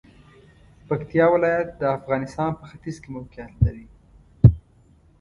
پکتیا ولایت د افغانستان په ختیځ کې موقعیت لري.